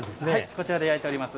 こちらで焼いております。